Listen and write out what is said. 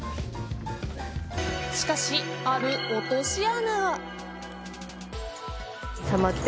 しかし、ある落とし穴。